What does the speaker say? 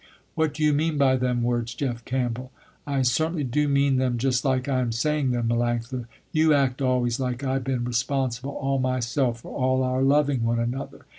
"What do you mean by them words, Jeff Campbell." "I certainly do mean them just like I am saying them, Melanctha. You act always, like I been responsible all myself for all our loving one another.